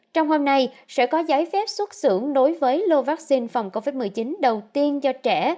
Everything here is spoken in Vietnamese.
trong hôm nay sẽ có giấy phép xuất xưởng đối với lô vaccine phòng covid một mươi chín đầu tiên cho trẻ